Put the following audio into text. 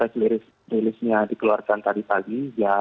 namun karena pre release nya dikeluarkan tadi pagi